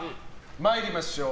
参りましょう。